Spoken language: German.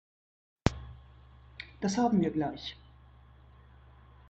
Das haben wir gleich.